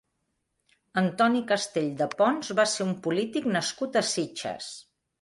Antoni Castell de Pons va ser un polític nascut a Sitges.